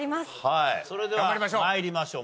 それでは参りましょう。